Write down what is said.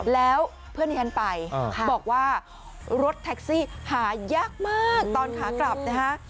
แล้วเพื่อนที่ฉันไปบอกว่ารถแท็กซี่หายากมากตอนขากลับนะฮะ